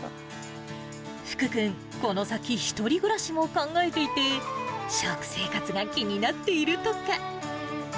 福君、この先１人暮らしも考えていて、食生活が気になっているとか。